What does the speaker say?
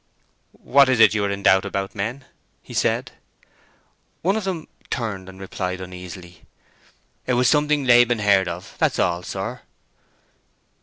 "What is it you are in doubt about, men?" he said. One of them turned and replied uneasily: "It was something Laban heard of, that's all, sir."